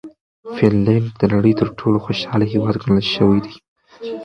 فنلنډ د نړۍ تر ټولو خوشحاله هېواد ګڼل شوی دی.